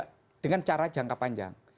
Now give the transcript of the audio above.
panjang kita selesaikan dengan cara jangka panjang